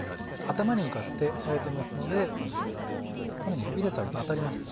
頭に向かって生えてますのでこのように指で触ると当たります。